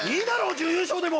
準優勝でも！